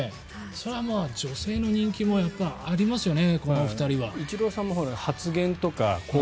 それはまあ女性の人気もありますよね。